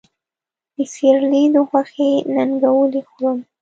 د سېرلي د غوښې ننګولی خورم